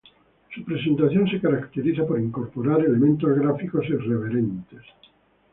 Su presentación se caracterizaba por incorporar elementos gráficos irreverentes.